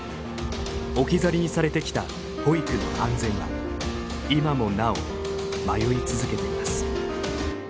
置き去りにされてきた保育の安全は今もなお迷い続けています。